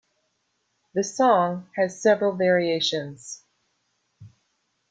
The song has several variations.